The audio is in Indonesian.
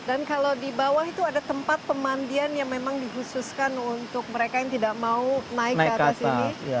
dan kalau di bawah itu ada tempat pemandian yang memang di khususkan untuk mereka yang tidak mau naik ke atas ini